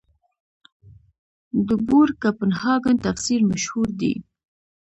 د بور کپنهاګن تفسیر مشهور دی.